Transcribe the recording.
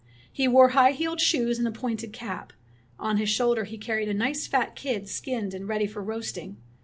He wore high heeled shoes and a pointed cap. On his shoulder he carried a nice fat kid skinned and ready for roasting.